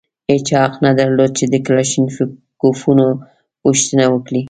هېچا حق نه درلود چې د کلاشینکوفونو پوښتنه وکړي.